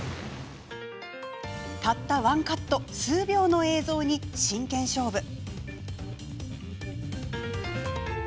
たったワンカット数秒の映像に真剣勝負。